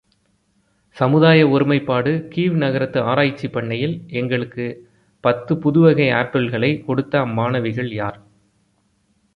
சமுதாய ஒருமைப்பாடு கீவ் நகரத்து ஆராய்ச்சிப் பண்ணையில் எங்களுக்குப் பத்துப் புதுவகை ஆப்பிள்களைக் கொடுத்த அம்மாணவிகள் யார்?